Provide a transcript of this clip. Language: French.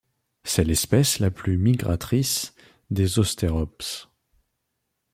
C'est l'espèce la plus migratrice des Zosterops.